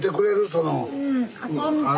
その。